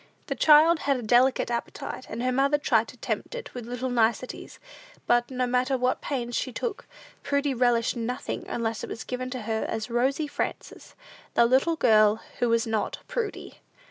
The child had a delicate appetite, and her mother tried to tempt it with little niceties; but, no matter what pains she took, Prudy relished nothing unless it was given to her as Rosy Frances, the little girl who was not Prudy.